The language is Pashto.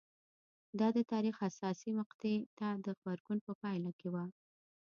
دا د تاریخ حساسې مقطعې ته د غبرګون په پایله کې وه